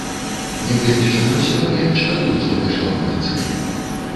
Нягледзячы на ўсё я не шкадую, што пайшла ў медыцыну.